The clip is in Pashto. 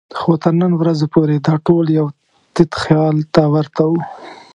خو تر نن ورځې پورې دا ټول یو تت خیال ته ورته وو.